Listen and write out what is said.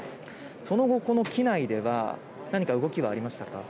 その後、この機内では何か動きはありましたか。